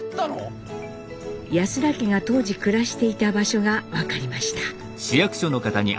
安田家が当時暮らしていた場所が分かりました。